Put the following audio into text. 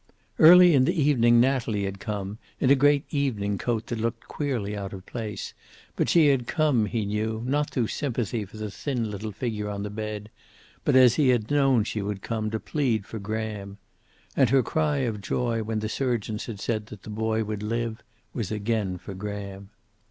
Early in the evening Natalie had come, in a great evening coat that looked queerly out of place, but she had come, he knew, not through sympathy for the thin little figure on the bed, but as he had known she would come, to plead for Graham. And her cry of joy when the surgeons had said the boy would live was again for Graham.